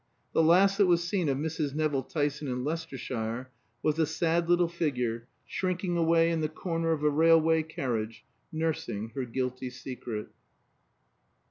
The last that was seen of Mrs. Nevill Tyson in Leicestershire was a sad little figure, shrinking away in the corner of a railway carriage, nursing her guilty secret.